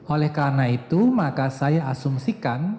oleh karena itu maka saya asumsikan